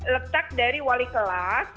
letak dari wali kelas